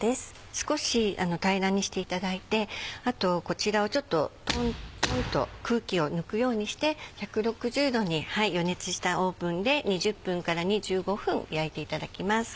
少し平らにしていただいてあとこちらをちょっとトントンと空気を抜くようにして１６０℃に予熱したオーブンで２０分から２５分焼いていただきます。